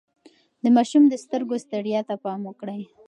د ماشوم د سترګو ستړيا ته پام وکړئ.